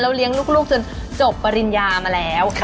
เลี้ยงลูกจนจบปริญญามาแล้ว